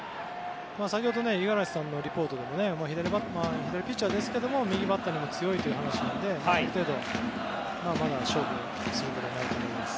先ほど五十嵐さんのリポートでも左ピッチャーですけども右バッターにも強いという話なのである程度、まだ勝負することになると思います。